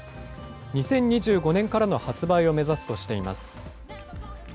２０２５年からの発売を目指すとしています。